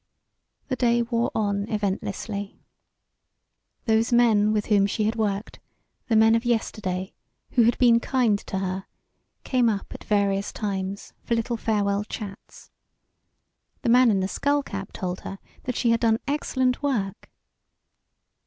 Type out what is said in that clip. The day wore on eventlessly. Those men with whom she had worked, the men of yesterday, who had been kind to her, came up at various times for little farewell chats. The man in the skull cap told her that she had done excellent work.